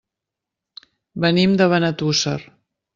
Venim de Benetússer.